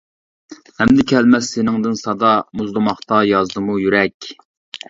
ئەمدى كەلمەس سېنىڭدىن سادا، مۇزلىماقتا يازدىمۇ يۈرەك.